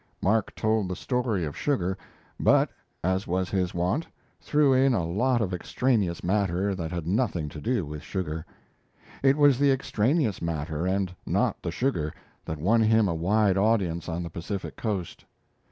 Mark told the story of sugar, but, as was his wont, threw in a lot of extraneous matter that had nothing to do with sugar. It was the extraneous matter, and not the sugar, that won him a wide audience on the Pacific Coast.